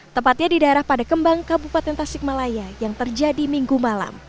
tepatnya di daerah pada kembang kabupaten tasikmalaya yang terjadi minggu malam